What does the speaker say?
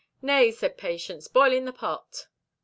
"Nay," said Patience, "boiling the pot."